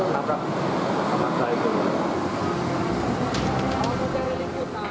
lalu nabrak ke batas jalan